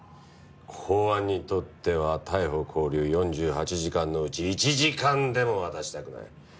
公安にとっては逮捕・勾留４８時間のうち１時間でも渡したくない。